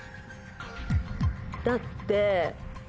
だって。